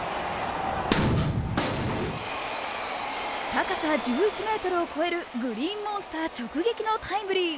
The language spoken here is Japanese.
高さ１１ｍを超えるグリーンモンスター直撃のタイムリー